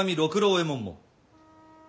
右衛門も。